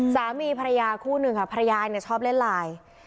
สามีภรรยาคู่หนึ่งค่ะภรรยาเนี่ยชอบเล่นไลน์